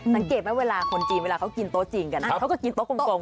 นับเกตไว้เวลาคนจีนเวลาเขากินโต๊ะจีนกันครับเขาก็กินโต๊ะกลมกัน